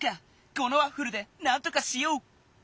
このワッフルでなんとかしよう！